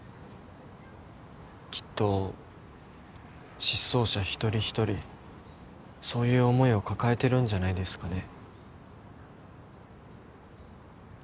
きっと失踪者一人一人そういう思いを抱えているんじゃないですかね。